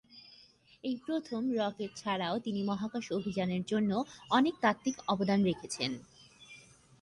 এই প্রথম রকেট ছাড়াও তিনি মহাকাশ অভিযানের জন্য অনেক তাত্ত্বিক অবদান রেখেছেন।